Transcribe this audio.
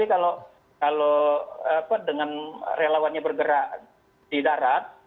kalau dengan relawannya bergerak di darat